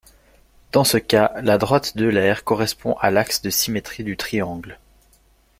Dans ce cas, la droite d'Euler correspond à l'axe de symétrie du triangle.